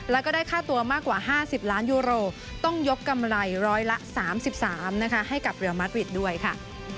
แล้วก็ได้ค่าตัวมากกว่า๕๐ล้านยูโรต้องยกกำไรร้อยละ๓๓นะคะให้กับเรียลมัดวิดด้วยค่ะ